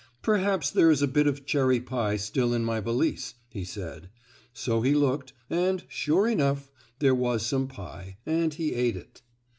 "Perhaps there is a bit of cherry pie still in my valise," he said. So he looked, and, sure enough, there was some pie, and he ate it.